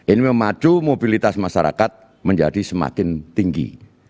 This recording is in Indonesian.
ini memacu mobilitas masyarakat menjadi semakin tinggi